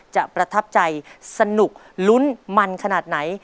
ประทับใจสนุกลุ้นมันขนาดไหน